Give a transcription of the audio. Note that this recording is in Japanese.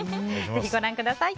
ぜひご覧ください。